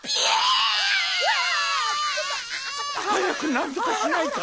はやくなんとかしないと！